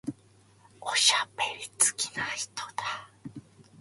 おしゃべり好きな人だ。